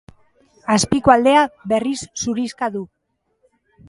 Azpiko aldea berriz zurixka du.